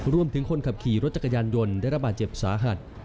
คนขับขี่รถจักรยานยนต์ได้ระบาดเจ็บสาหัส